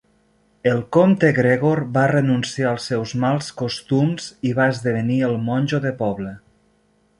El comte Gregor va renunciar als seus mals costums i va esdevenir el monjo de poble.